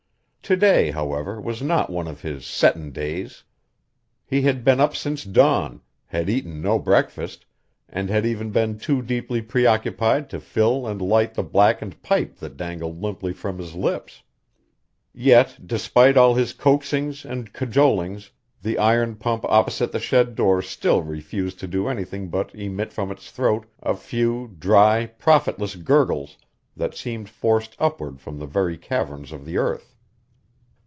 To day, however, was not one of his "settin' days." He had been up since dawn, had eaten no breakfast, and had even been too deeply preoccupied to fill and light the blackened pipe that dangled limply from his lips. Yet despite all his coaxings and cajolings, the iron pump opposite the shed door still refused to do anything but emit from its throat a few dry, profitless gurgles that seemed forced upward from the very caverns of the earth.